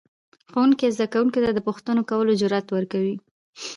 ښوونکی زده کوونکو ته د پوښتنو کولو جرأت ورکوي